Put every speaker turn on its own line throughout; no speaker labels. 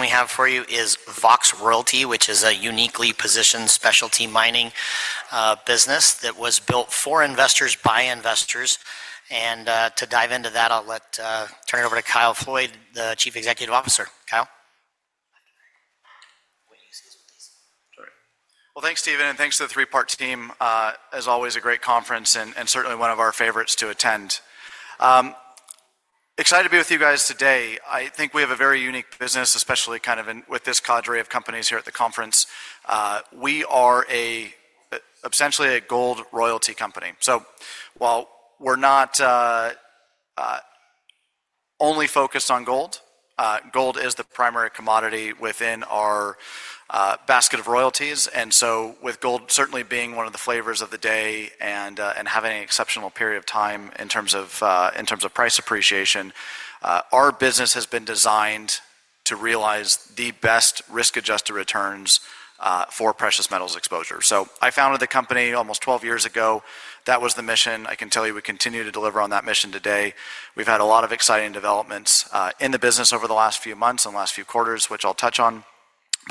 We have for you is Vox Royalty, which is a uniquely positioned specialty mining business that was built for investors, by investors. To dive into that, I'll turn it over to Kyle Floyd, the Chief Executive Officer. Kyle?
All right. Thanks, Steven, and thanks to the three-part team. As always, a great conference and certainly one of our favorites to attend. Excited to be with you guys today. I think we have a very unique business, especially kind of with this cadre of companies here at the conference. We are essentially a gold royalty company. While we're not only focused on gold, gold is the primary commodity within our basket of royalties. With gold certainly being one of the flavors of the day and having an exceptional period of time in terms of price appreciation, our business has been designed to realize the best risk-adjusted returns for precious metals exposure. I founded the company almost 12 years ago. That was the mission. I can tell you we continue to deliver on that mission today. We've had a lot of exciting developments in the business over the last few months and last few quarters, which I'll touch on.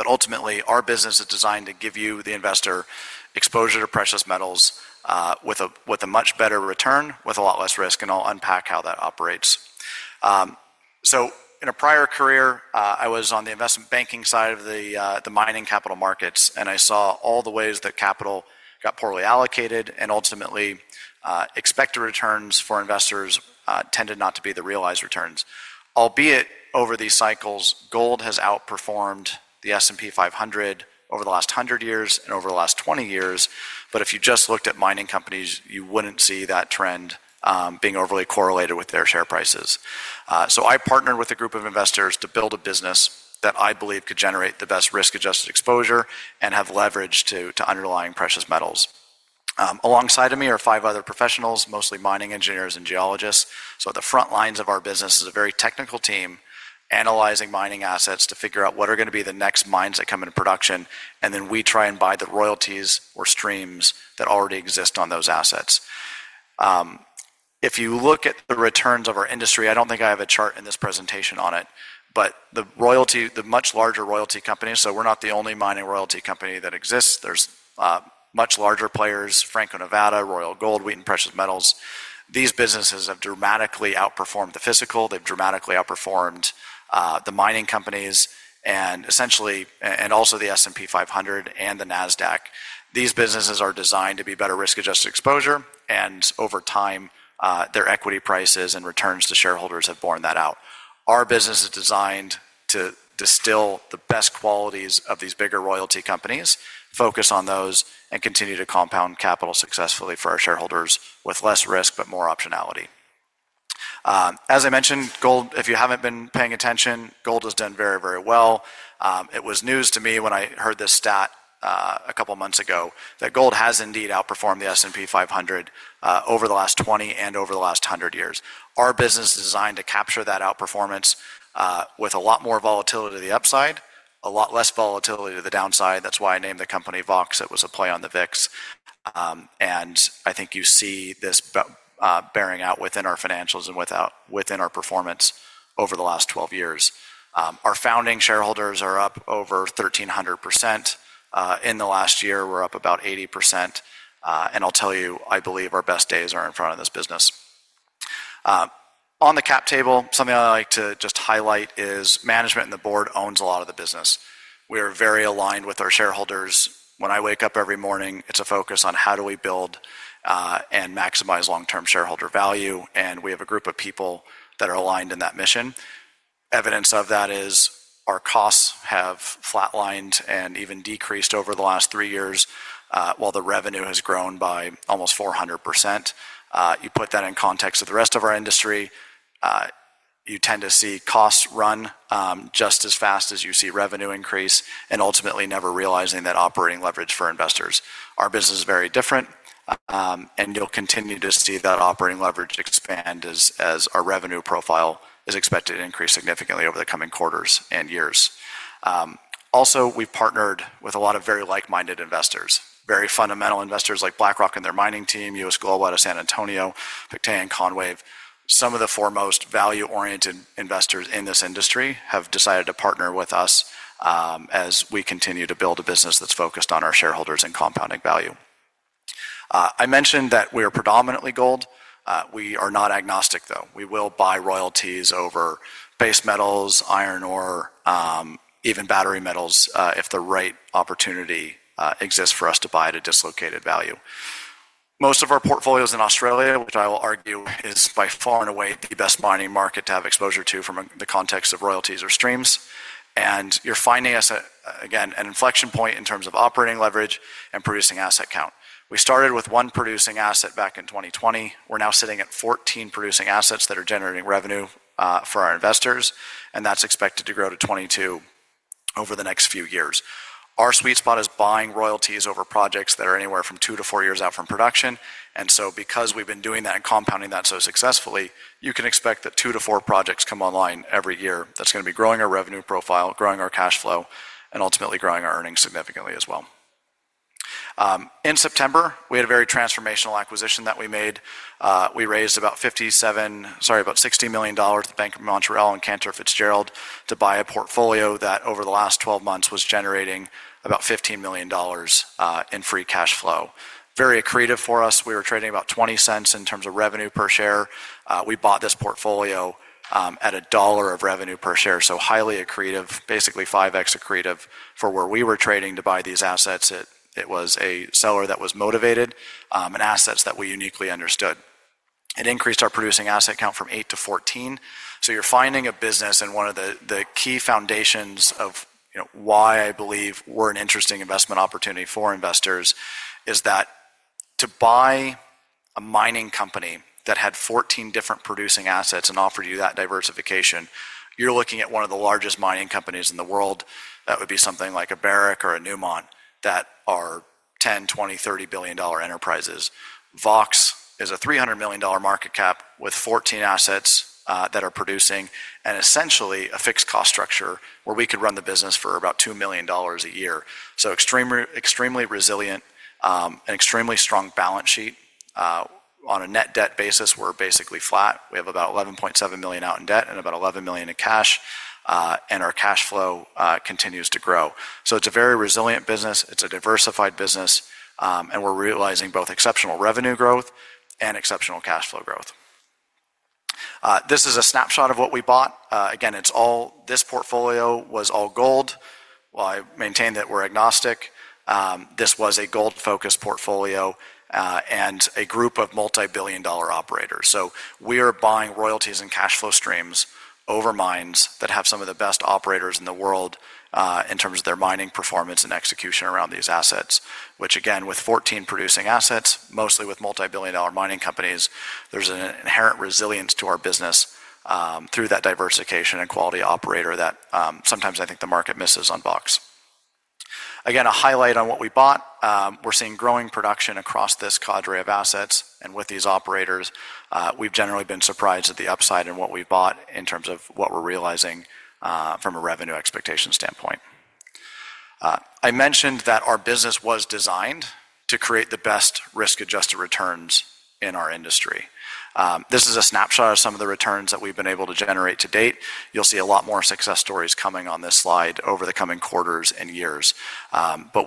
Ultimately, our business is designed to give you, the investor, exposure to precious metals with a much better return, with a lot less risk, and I'll unpack how that operates. In a prior career, I was on the investment banking side of the mining capital markets, and I saw all the ways that capital got poorly allocated and ultimately expected returns for investors tended not to be the realized returns. Albeit, over these cycles, gold has outperformed the S&P 500 over the last 100 years and over the last 20 years. If you just looked at mining companies, you wouldn't see that trend being overly correlated with their share prices. I partnered with a group of investors to build a business that I believe could generate the best risk-adjusted exposure and have leverage to underlying precious metals. Alongside of me are five other professionals, mostly mining engineers and geologists. At the front lines of our business is a very technical team analyzing mining assets to figure out what are going to be the next mines that come into production, and then we try and buy the royalties or streams that already exist on those assets. If you look at the returns of our industry, I do not think I have a chart in this presentation on it, but the much larger royalty companies—so we are not the only mining royalty company that exists—there are much larger players: Franco-Nevada, Royal Gold, Wheaton Precious Metals. These businesses have dramatically outperformed the physical. They've dramatically outperformed the mining companies and also the S&P 500 and the NASDAQ. These businesses are designed to be better risk-adjusted exposure, and over time, their equity prices and returns to shareholders have borne that out. Our business is designed to distill the best qualities of these bigger royalty companies, focus on those, and continue to compound capital successfully for our shareholders with less risk but more optionality. As I mentioned, gold, if you haven't been paying attention, gold has done very, very well. It was news to me when I heard this stat a couple of months ago that gold has indeed outperformed the S&P 500 over the last 20 and over the last 100 years. Our business is designed to capture that outperformance with a lot more volatility to the upside, a lot less volatility to the downside. That's why I named the company Vox. It was a play on the VIX. I think you see this bearing out within our financials and within our performance over the last 12 years. Our founding shareholders are up over 1,300%. In the last year, we're up about 80%. I believe our best days are in front of this business. On the cap table, something I'd like to just highlight is management and the board owns a lot of the business. We are very aligned with our shareholders. When I wake up every morning, it's a focus on how do we build and maximize long-term shareholder value. We have a group of people that are aligned in that mission. Evidence of that is our costs have flatlined and even decreased over the last three years while the revenue has grown by almost 400%. You put that in context of the rest of our industry, you tend to see costs run just as fast as you see revenue increase and ultimately never realizing that operating leverage for investors. Our business is very different, and you'll continue to see that operating leverage expand as our revenue profile is expected to increase significantly over the coming quarters and years. Also, we've partnered with a lot of very like-minded investors, very fundamental investors like BlackRock and their mining team, U.S. Global out of San Antonio, Pictet and Conway. Some of the foremost value-oriented investors in this industry have decided to partner with us as we continue to build a business that's focused on our shareholders and compounding value. I mentioned that we are predominantly gold. We are not agnostic, though. We will buy royalties over base metals, iron ore, even battery metals if the right opportunity exists for us to buy at a dislocated value. Most of our portfolio is in Australia, which I will argue is by far and away the best mining market to have exposure to from the context of royalties or streams. You are finding us, again, at an inflection point in terms of operating leverage and producing asset count. We started with one producing asset back in 2020. We are now sitting at 14 producing assets that are generating revenue for our investors, and that is expected to grow to 22 over the next few years. Our sweet spot is buying royalties over projects that are anywhere from two to four years out from production. Because we have been doing that and compounding that so successfully, you can expect that two to four projects come online every year that is going to be growing our revenue profile, growing our cash flow, and ultimately growing our earnings significantly as well. In September, we had a very transformational acquisition that we made. We raised about $60 million at the Bank of Montreal and Cantor Fitzgerald to buy a portfolio that over the last 12 months was generating about $15 million in free cash flow. Very accretive for us. We were trading about $0.20 in terms of revenue per share. We bought this portfolio at $1 of revenue per share, so highly accretive, basically 5x accretive for where we were trading to buy these assets. It was a seller that was motivated and assets that we uniquely understood. It increased our producing asset count from 8-14. You are finding a business, and one of the key foundations of why I believe we are an interesting investment opportunity for investors is that to buy a mining company that had 14 different producing assets and offered you that diversification, you are looking at one of the largest mining companies in the world. That would be something like a Barrick or a Newmont that are $10 billion-$30 billion enterprises. Vox is a $300 million market cap with 14 assets that are producing and essentially a fixed cost structure where we could run the business for about $2 million a year. Extremely resilient and extremely strong balance sheet. On a net debt basis, we are basically flat. We have about $11.7 million out in debt and about $11 million in cash, and our cash flow continues to grow. It is a very resilient business. It is a diversified business, and we are realizing both exceptional revenue growth and exceptional cash flow growth. This is a snapshot of what we bought. Again, this portfolio was all gold. I maintain that we are agnostic. This was a gold-focused portfolio and a group of multi-billion dollar operators. We are buying royalties and cash flow streams over mines that have some of the best operators in the world in terms of their mining performance and execution around these assets, which, again, with 14 producing assets, mostly with multi-billion dollar mining companies, there is an inherent resilience to our business through that diversification and quality operator that sometimes I think the market misses on Vox. Again, a highlight on what we bought. We are seeing growing production across this cadre of assets. With these operators, we've generally been surprised at the upside in what we bought in terms of what we're realizing from a revenue expectation standpoint. I mentioned that our business was designed to create the best risk-adjusted returns in our industry. This is a snapshot of some of the returns that we've been able to generate to date. You'll see a lot more success stories coming on this slide over the coming quarters and years.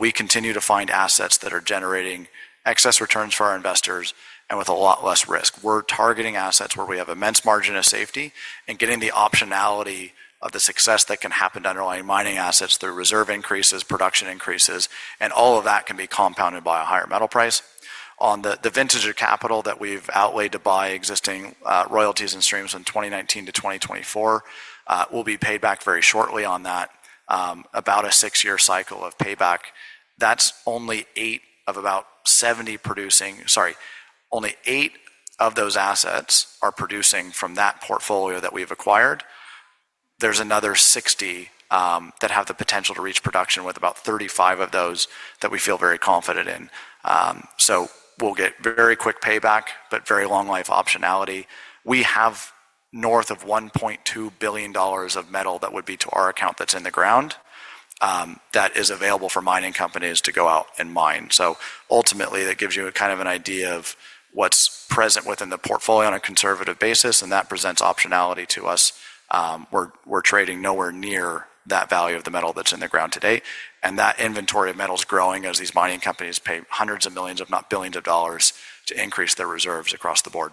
We continue to find assets that are generating excess returns for our investors and with a lot less risk. We're targeting assets where we have immense margin of safety and getting the optionality of the success that can happen to underlying mining assets through reserve increases, production increases, and all of that can be compounded by a higher metal price. On the vintage of capital that we've outlaid to buy existing royalties and streams in 2019 to 2024, we'll be paid back very shortly on that, about a six-year cycle of payback. That's only only eight of those assets are producing from that portfolio that we've acquired. There's another 60 that have the potential to reach production with about 35 of those that we feel very confident in. We'll get very quick payback, but very long life optionality. We have north of $1.2 billion of metal that would be to our account that's in the ground that is available for mining companies to go out and mine. Ultimately, that gives you kind of an idea of what's present within the portfolio on a conservative basis, and that presents optionality to us. We're trading nowhere near that value of the metal that's in the ground today. That inventory of metal is growing as these mining companies pay hundreds of millions, if not billions of dollars, to increase their reserves across the board.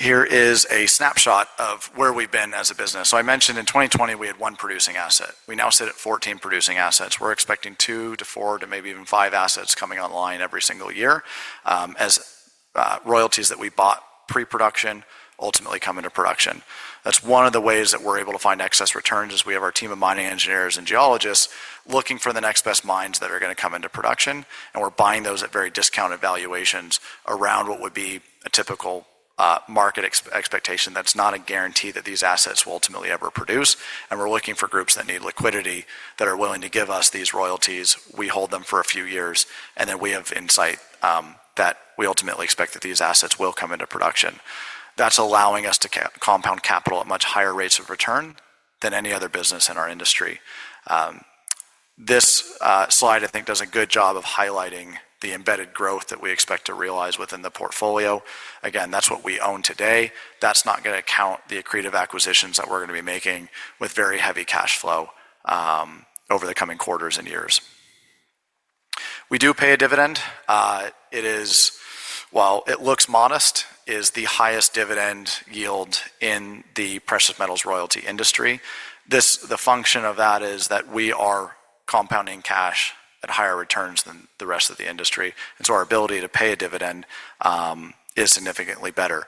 Here is a snapshot of where we've been as a business. I mentioned in 2020, we had one producing asset. We now sit at 14 producing assets. We're expecting two to four to maybe even five assets coming online every single year as royalties that we bought pre-production ultimately come into production. That's one of the ways that we're able to find excess returns is we have our team of mining engineers and geologists looking for the next best mines that are going to come into production, and we're buying those at very discounted valuations around what would be a typical market expectation. That's not a guarantee that these assets will ultimately ever produce. We're looking for groups that need liquidity that are willing to give us these royalties. We hold them for a few years, and then we have insight that we ultimately expect that these assets will come into production. That's allowing us to compound capital at much higher rates of return than any other business in our industry. This slide, I think, does a good job of highlighting the embedded growth that we expect to realize within the portfolio. Again, that's what we own today. That's not going to count the accretive acquisitions that we're going to be making with very heavy cash flow over the coming quarters and years. We do pay a dividend. While it looks modest, it is the highest dividend yield in the precious metals royalty industry. The function of that is that we are compounding cash at higher returns than the rest of the industry. Our ability to pay a dividend is significantly better.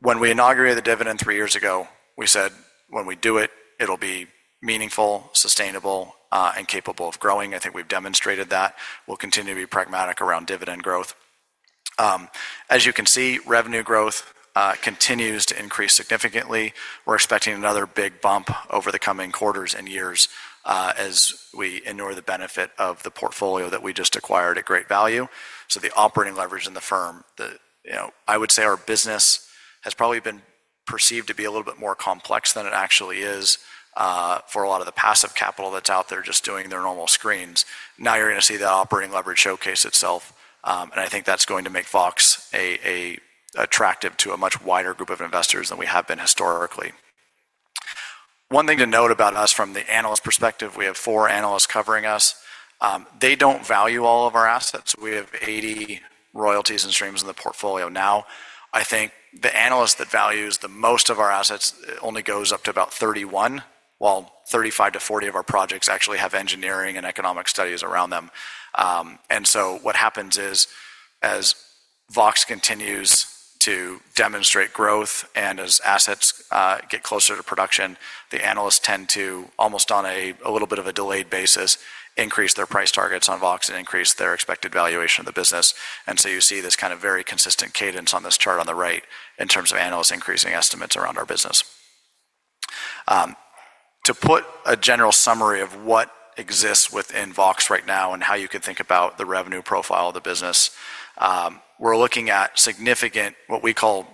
When we inaugurated the dividend three years ago, we said, "When we do it, it'll be meaningful, sustainable, and capable of growing." I think we've demonstrated that. We'll continue to be pragmatic around dividend growth. As you can see, revenue growth continues to increase significantly. We're expecting another big bump over the coming quarters and years as we ignore the benefit of the portfolio that we just acquired at great value. The operating leverage in the firm, I would say our business has probably been perceived to be a little bit more complex than it actually is for a lot of the passive capital that's out there just doing their normal screens. Now you're going to see that operating leverage showcase itself, and I think that's going to make Vox attractive to a much wider group of investors than we have been historically. One thing to note about us from the analyst perspective, we have four analysts covering us. They don't value all of our assets. We have 80 royalties and streams in the portfolio now. I think the analyst that values the most of our assets only goes up to about 31, while 35-40 of our projects actually have engineering and economic studies around them. What happens is, as Vox continues to demonstrate growth and as assets get closer to production, the analysts tend to, almost on a little bit of a delayed basis, increase their price targets on Vox and increase their expected valuation of the business. You see this kind of very consistent cadence on this chart on the right in terms of analysts increasing estimates around our business. To put a general summary of what exists within Vox right now and how you could think about the revenue profile of the business, we're looking at significant what we call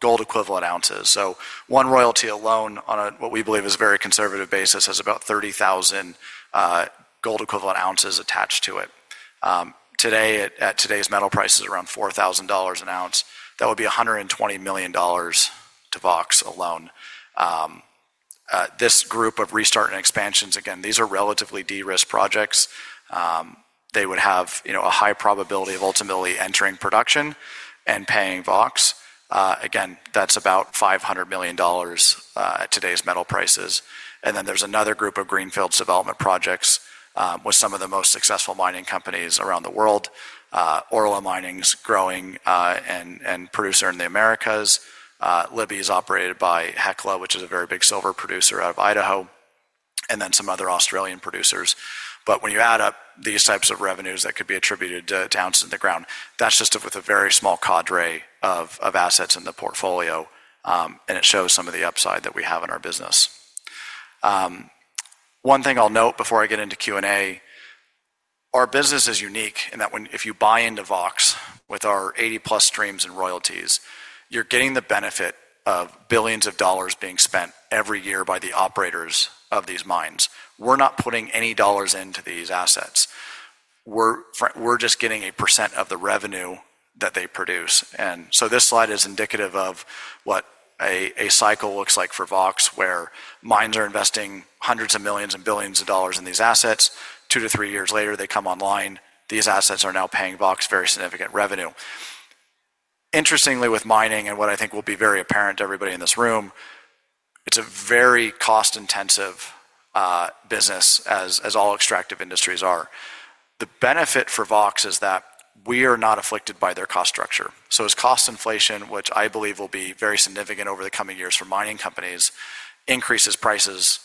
gold equivalent ounces. One royalty alone on what we believe is a very conservative basis has about 30,000 gold equivalent ounces attached to it. Today, at today's metal prices, around $4,000 an ounce, that would be $120 million to Vox alone. This group of restart and expansions, again, these are relatively de-risked projects. They would have a high probability of ultimately entering production and paying Vox. Again, that's about $500 million at today's metal prices. There is another group of greenfields development projects with some of the most successful mining companies around the world: Orla Mining's growing and producer in the Americas, Libby's operated by Hecla, which is a very big silver producer out of Idaho, and then some other Australian producers. When you add up these types of revenues that could be attributed to ounces in the ground, that's just with a very small cadre of assets in the portfolio, and it shows some of the upside that we have in our business. One thing I'll note before I get into Q&A, our business is unique in that if you buy into Vox with our 80+ streams and royalties, you're getting the benefit of billions of dollars being spent every year by the operators of these mines. We're not putting any dollars into these assets. We're just getting a percent of the revenue that they produce. This slide is indicative of what a cycle looks like for Vox, where mines are investing hundreds of millions and billions of dollars in these assets. Two to three years later, they come online. These assets are now paying Vox very significant revenue. Interestingly, with mining and what I think will be very apparent to everybody in this room, it's a very cost-intensive business, as all extractive industries are. The benefit for Vox is that we are not afflicted by their cost structure. As cost inflation, which I believe will be very significant over the coming years for mining companies, increases prices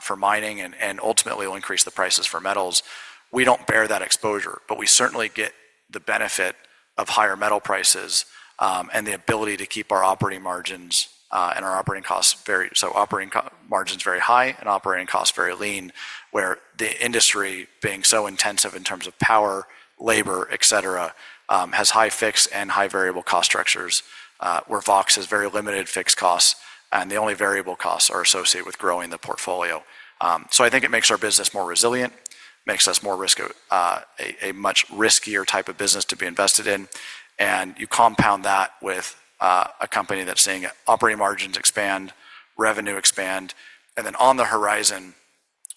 for mining and ultimately will increase the prices for metals, we do not bear that exposure, but we certainly get the benefit of higher metal prices and the ability to keep our operating margins and our operating costs very, so operating margins very high and operating costs very lean, where the industry, being so intensive in terms of power, labor, etc., has high fixed and high variable cost structures, where Vox has very limited fixed costs, and the only variable costs are associated with growing the portfolio. I think it makes our business more resilient, makes us more a much riskier type of business to be invested in. You compound that with a company that is seeing operating margins expand, revenue expand. On the horizon,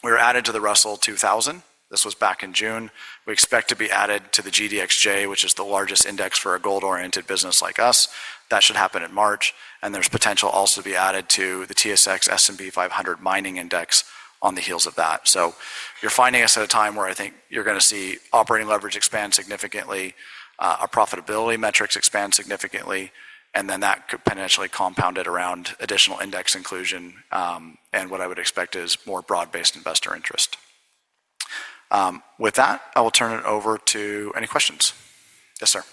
we were added to the Russell 2000. This was back in June. We expect to be added to the GDXJ, which is the largest index for a gold-oriented business like us. That should happen in March. There is potential also to be added to the TSX S&P 500 mining index on the heels of that. You are finding us at a time where I think you are going to see operating leverage expand significantly, our profitability metrics expand significantly, and that could potentially compound it around additional index inclusion and what I would expect is more broad-based investor interest. With that, I will turn it over to any questions. Yes, sir.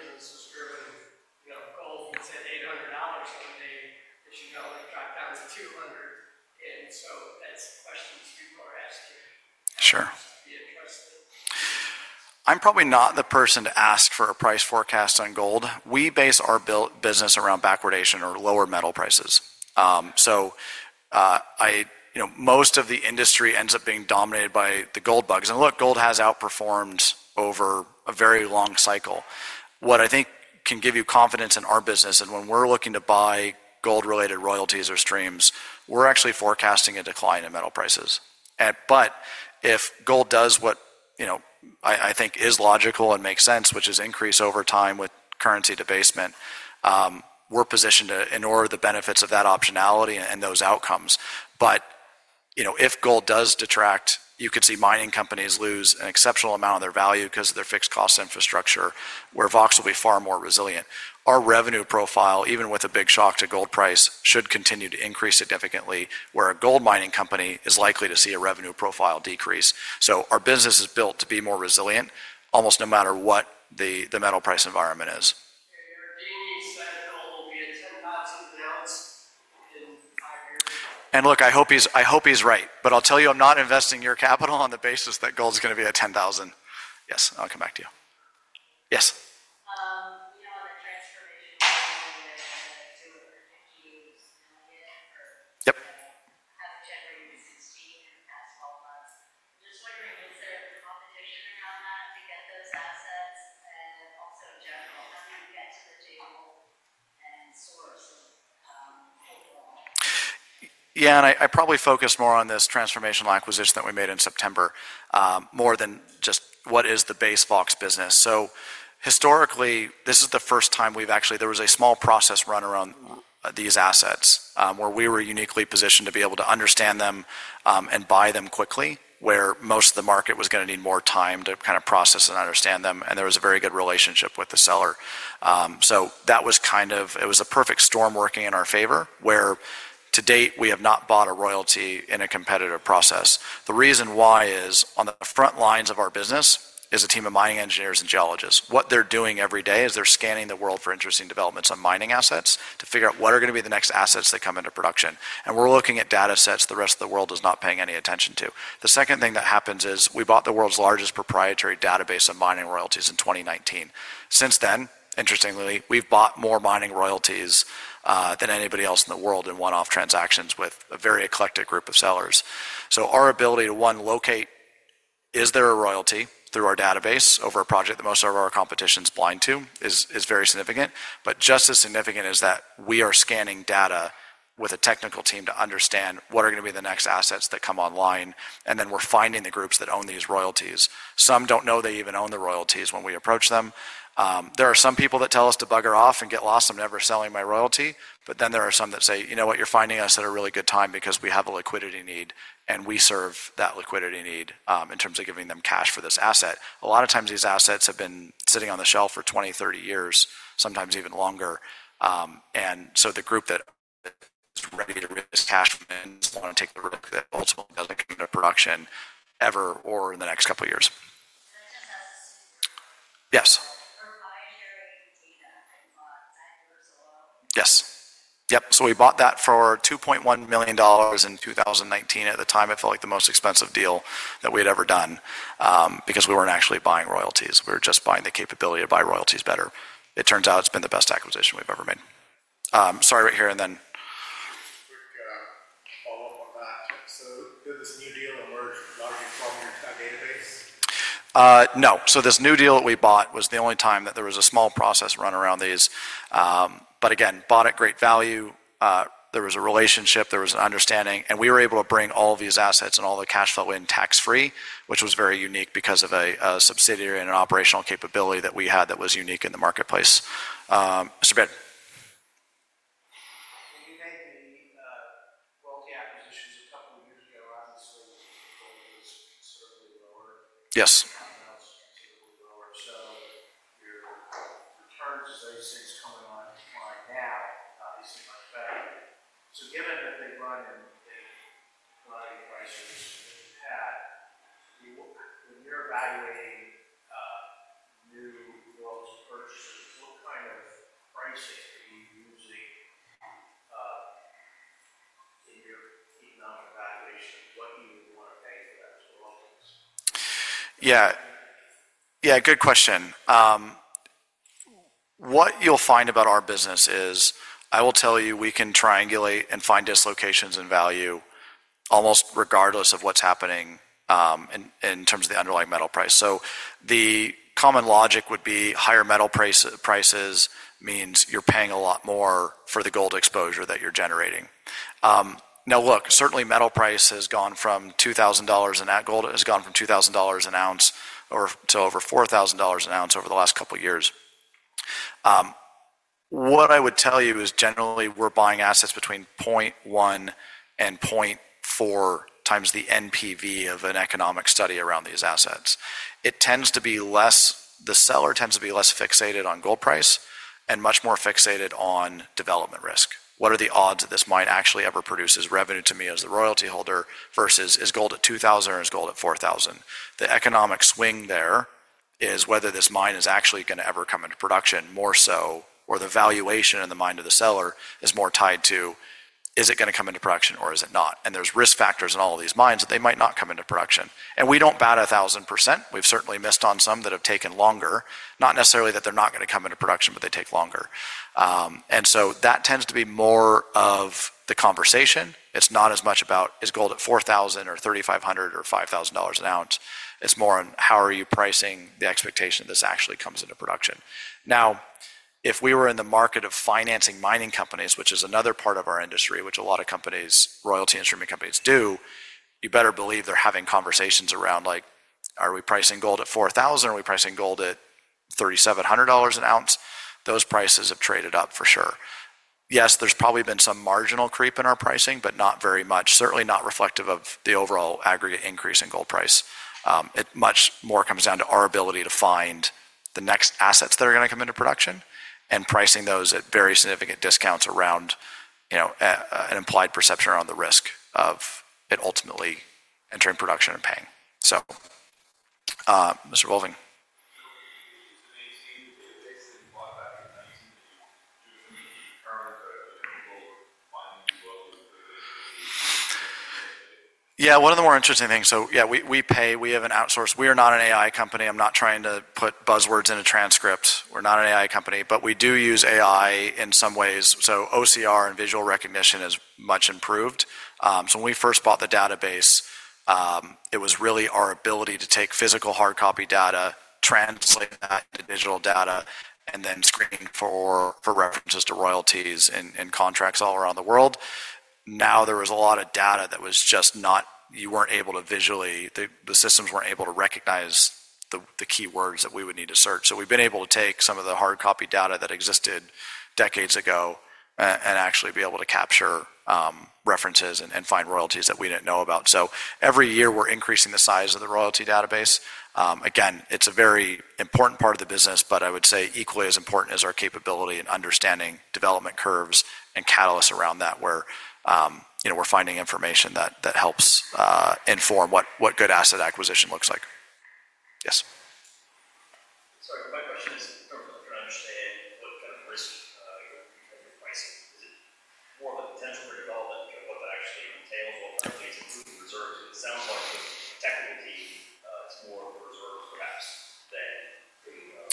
Whether they know or feel that social paying buying of gold and the Rockwood crowd buying less Bitcoin and more gold is what's really driven the price of gold, which you may or may not agree. That's part of the question. A lot of your business is driven gold. It's at $800 someday, but you know it dropped down to 200. That's the questions people are asking. Sure. Be interested. I'm probably not the person to ask for a price forecast on gold. We base our business around backwardation or lower metal prices. Most of the industry ends up being dominated by the gold bugs. Look, gold has outperformed over a very long cycle. What I think can give you confidence in our business, and when we're looking to buy gold-related royalties or streams, we're actually forecasting a decline in metal prices. If gold does what I think is logical and makes sense, which is increase over time with currency debasement, we're positioned to in order the benefits of that optionality and those outcomes. If gold does detract, you could see mining companies lose an exceptional amount of their value because of their fixed cost infrastructure, where Vox will be far more resilient. Our revenue profile, even with a big shock to gold price, should continue to increase significantly, where a gold mining company is likely to see a revenue profile decrease. Our business is built to be more resilient, almost no matter what the metal price environment is. Your dean said gold will be at $10,000 an ounce in five years. Look, I hope he's right. I'll tell you, I'm not investing your capital on the basis that gold is going to be at $10,000. Yes, I'll come back to you. Yes. We know on the transformation of mining and the two other tech use. Million or have it generated 60 in the past 12 months. I'm just wondering, is there competition around that to get those assets? Also, in general, how do you get to the table and source overall? Yeah, I probably focus more on this transformational acquisition that we made in September more than just what is the base Vox business. Historically, this is the first time we've actually—there was a small process run around these assets where we were uniquely positioned to be able to understand them and buy them quickly, where most of the market was going to need more time to kind of process and understand them. There was a very good relationship with the seller. That was kind of—it was a perfect storm working in our favor where to date, we have not bought a royalty in a competitive process. The reason why is on the front lines of our business is a team of mining engineers and geologists. What they're doing every day is they're scanning the world for interesting developments on mining assets to figure out what are going to be the next assets that come into production. We're looking at data sets the rest of the world is not paying any attention to. The second thing that happens is we bought the world's largest proprietary database of mining royalties in 2019. Since then, interestingly, we've bought more mining royalties than anybody else in the world in one-off transactions with a very eclectic group of sellers. Our ability to, one, locate is there a royalty through our database over a project that most of our competition is blind to is very significant, but just as significant is that we are scanning data with a technical team to understand what are going to be the next assets that come online, and then we're finding the groups that own these royalties. Some do not know they even own the royalties when we approach them. There are some people that tell us to bugger off and get lost. I'm never selling my royalty. There are some that say, "You know what? You're finding us at a really good time because we have a liquidity need, and we serve that liquidity need in terms of giving them cash for this asset. A lot of times, these assets have been sitting on the shelf for 20, 30 years, sometimes even longer. The group that is ready to risk cash wins, want to take the risk that ultimately doesn't come into production ever or in the next couple of years. Yes. For buying your data and Vox, that goes alone. Yes. Yep. We bought that for $2.1 million in 2019. At the time, it felt like the most expensive deal that we had ever done because we weren't actually buying royalties. We were just buying the capability to buy royalties better. It turns out it's been the best acquisition we've ever made. Sorry, right here, and then— Quick follow-up on that. This new deal emerged with a lot of your formula to that database? No. This new deal that we bought was the only time that there was a small process run around these. Again, bought at great value. There was a relationship. There was an understanding. We were able to bring all of these assets and all the cash flow in tax-free, which was very unique because of a subsidiary and an operational capability that we had that was unique in the marketplace. Mr. Bid? When you made the royalty acquisitions a couple of years ago, obviously, the gold was considerably lower. Yes. The compounds were typically lower Your returns as I see it's coming online now, obviously, by the fact that—so given that they've run in the buying prices that you've had, when you're evaluating new gold purchases, what kind of pricing are you using in your economic evaluation of what you would want to pay for those royalties? Yeah. Yeah, good question. What you'll find about our business is I will tell you we can triangulate and find dislocations in value almost regardless of what's happening in terms of the underlying metal price. The common logic would be higher metal prices means you're paying a lot more for the gold exposure that you're generating. Now, look, certainly, metal price has gone from $2,000 in that gold has gone from $2,000 an ounce to over $4,000 an ounce over the last couple of years. What I would tell you is generally, we're buying assets between 0.1 and 0.4x the NPV of an economic study around these assets. It tends to be less—the seller tends to be less fixated on gold price and much more fixated on development risk. What are the odds that this mine actually ever produces revenue to me as the royalty holder versus is gold at $2,000 or is gold at $4,000? The economic swing there is whether this mine is actually going to ever come into production more so or the valuation in the mind of the seller is more tied to is it going to come into production or is it not. There are risk factors in all of these mines that they might not come into production. We don't bat a thousand percent. We've certainly missed on some that have taken longer. Not necessarily that they're not going to come into production, but they take longer. That tends to be more of the conversation. It's not as much about is gold at $4,000 or $3,500 or $5,000 an ounce. It's more on how are you pricing the expectation that this actually comes into production. Now, if we were in the market of financing mining companies, which is another part of our industry, which a lot of companies, royalty instrument companies, do, you better believe they're having conversations around like, "Are we pricing gold at $4,000? Are we pricing gold at $3,700 an ounce?" Those prices have traded up for sure. Yes, there's probably been some marginal creep in our pricing, but not very much. Certainly not reflective of the overall aggregate increase in gold price. It much more comes down to our ability to find the next assets that are going to come into production and pricing those at very significant discounts around an implied perception around the risk of it ultimately entering production and paying. You mentioned it's amazing the database that you bought back in 2019 that you determined the gold mining as well as the royalty. Yeah, one of the more interesting things. Yeah, we pay. We have an outsource. We are not an AI company. I'm not trying to put buzzwords in a transcript. We're not an AI company, but we do use AI in some ways. OCR and visual recognition is much improved. When we first bought the database, it was really our ability to take physical hardcopy data, translate that into digital data, and then screen for references to royalties and contracts all around the world. There was a lot of data that was just not—you were not able to visually—the systems were not able to recognize the keywords that we would need to search. We have been able to take some of the hardcopy data that existed decades ago and actually be able to capture references and find royalties that we did not know about. Every year, we are increasing the size of the royalty database. Again, it is a very important part of the business, but I would say equally as important is our capability and understanding development curves and catalysts around that where we are finding information that helps inform what good asset acquisition looks like. Yes. Sorry, my question is to try to understand what kind of risk you're pricing. Is it more of a potential for development of what that actually entails? Companies include the reserves. It sounds like with technical team, it's more reserves perhaps than the—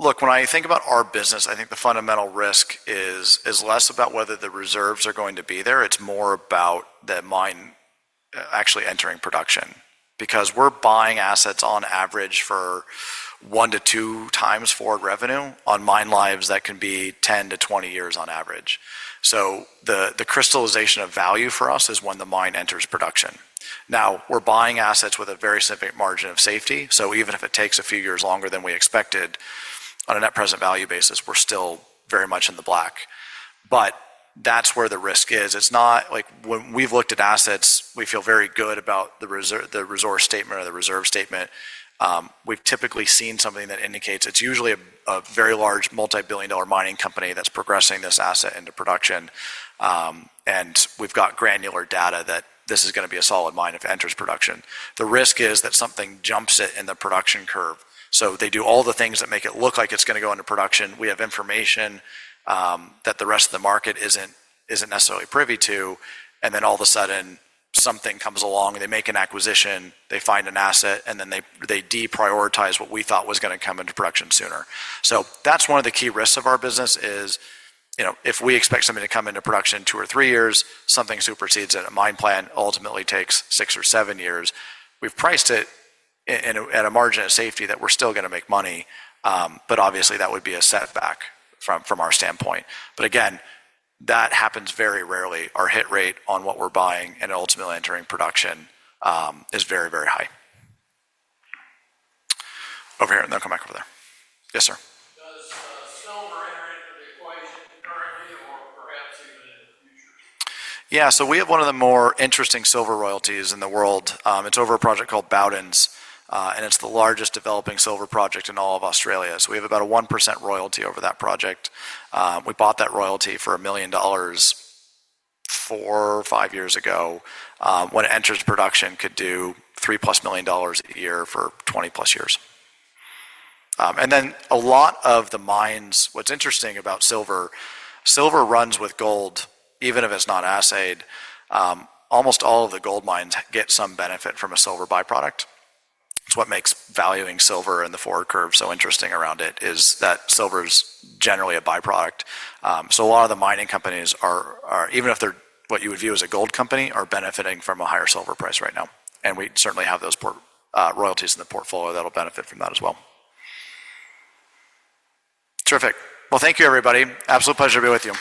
Look, when I think about our business, I think the fundamental risk is less about whether the reserves are going to be there. It's more about the mine actually entering production because we're buying assets on average for one to two times forward revenue on mine lives that can be 10-20 years on average. The crystallization of value for us is when the mine enters production. Now, we're buying assets with a very significant margin of safety. Even if it takes a few years longer than we expected on a net present value basis, we're still very much in the black. That is where the risk is. It's not like when we've looked at assets, we feel very good about the resource statement or the reserve statement. We've typically seen something that indicates it's usually a very large multi-billion dollar mining company that's progressing this asset into production. We've got granular data that this is going to be a solid mine if it enters production. The risk is that something jumps it in the production curve. They do all the things that make it look like it's going to go into production. We have information that the rest of the market isn't necessarily privy to. All of a sudden, something comes along. They make an acquisition. They find an asset. They deprioritize what we thought was going to come into production sooner. That is one of the key risks of our business. If we expect something to come into production in two or three years, something supersedes it. A mine plan ultimately takes six or seven years. We have priced it at a margin of safety that we are still going to make money. Obviously, that would be a setback from our standpoint. Again, that happens very rarely. Our hit rate on what we are buying and ultimately entering production is very, very high. Over here, and then come back over there. Yes, sir. Does silver enter into the equation currently or perhaps even in the future? Yeah. We have one of the more interesting silver royalties in the world. It is over a project called Bowden's, and it is the largest developing silver project in all of Australia. We have about a 1% royalty over that project. We bought that royalty for $1 million four or five years ago. When it enters production, it could do $3 million-plus a year for 20-plus years. A lot of the mines, what's interesting about silver, silver runs with gold even if it's not assayed. Almost all of the gold mines get some benefit from a silver byproduct. It's what makes valuing silver and the forward curve so interesting around it is that silver is generally a byproduct. A lot of the mining companies, even if they're what you would view as a gold company, are benefiting from a higher silver price right now. We certainly have those royalties in the portfolio that'll benefit from that as well. Terrific. Thank you, everybody. Absolute pleasure to be with you.